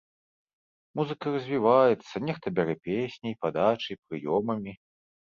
Музыка развіваецца, нехта бярэ песняй, падачай, прыёмамі.